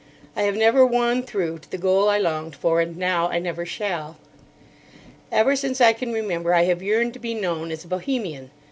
I have never won through to the goal I longed for, and now I never shall. Ever since I can remember I have yearned to be known as a Bohemian.